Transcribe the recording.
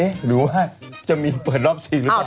หรือว่าจะมีเปิดรอบ๔หรือเปล่า